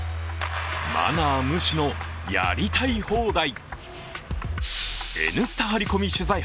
マナー無視のやりたい放題。